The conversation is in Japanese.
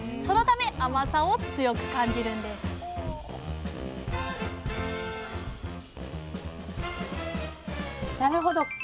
そのため甘さを強く感じるんですなるほど。